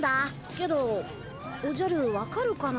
けどおじゃるわかるかな。